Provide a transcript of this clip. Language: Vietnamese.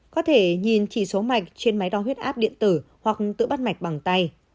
có thể nhìn chỉ số mạch trên máy đo huyết áp điện tử hoặc tự bắt mạch bằng tay